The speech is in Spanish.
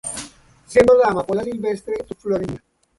Siendo la "Amapola silvestre" su flor insignia.